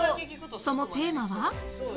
そのテーマは